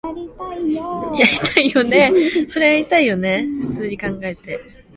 맨 먼저 손을 든 석돌이의 멱살을 잡고 주먹으로 볼치를 후려갈겼다.